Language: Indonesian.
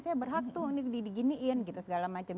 saya berhaktu ini diginiin gitu segala macam